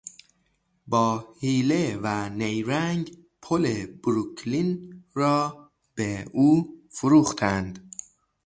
با حیله و نیرنگ پل بروکلین را به او فروختند.